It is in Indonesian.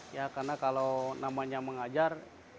ya karena kalau namanya mengajar